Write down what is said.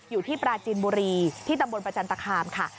อยู่ที่ปราจินบุรีที่ตำบลประจันตคามค่ะ